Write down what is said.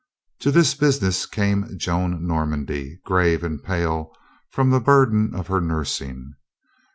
To this business came Joan Normandy, grave and pale from the burden of her nursing.